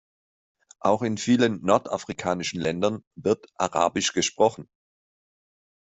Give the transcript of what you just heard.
Auch in vielen nordafrikanischen Ländern wird arabisch gesprochen.